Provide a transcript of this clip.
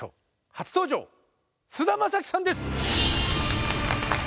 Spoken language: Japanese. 初登場菅田将暉さんです。